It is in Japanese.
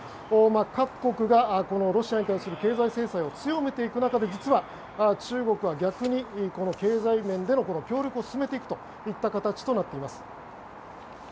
各国がロシアに対する経済制裁を強めていく中で中国は逆にこの経済面での協力を進めていくといった形になっています。